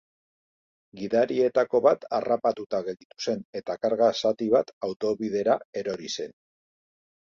Gidarietako bat harrapatuta gelditu zen eta karga zati bat autobidera erori zen.